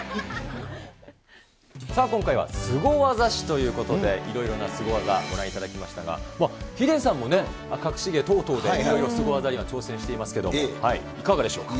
さあ、今回はスゴ技史ということで、いろいろなスゴ技、ご覧いただきましたが、ヒデさんもね、かくし芸等々で、いろいろスゴ技には挑戦していますけれども、いかがでしょうか。